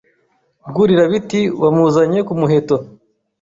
Rwurirabiti wamuzanye ku muheto